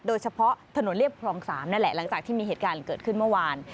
โดยเฉพาะถนนเรียบคลอง๓นั่นแหละหลังจากที่มีเหตุการณ์เกิดขึ้นเมื่อวาน